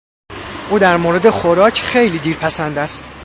او در مورد خوراک خیلی دیر پسند است.